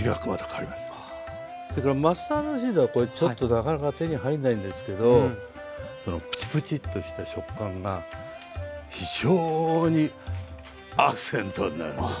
それからマスタードシードはこれちょっとなかなか手に入んないんですけどそのプチプチッとした食感が非常にアクセントになるんですね。